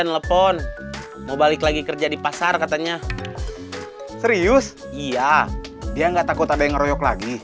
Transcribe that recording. telepon mau balik lagi kerja di pasar katanya serius iya dia nggak takut ada yang ngeroyok lagi